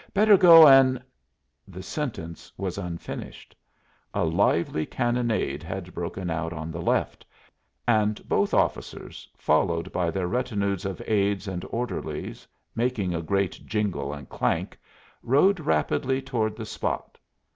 Better go and " The sentence was unfinished: a lively cannonade had broken out on the left, and both officers, followed by their retinues of aides and orderlies making a great jingle and clank, rode rapidly toward the spot.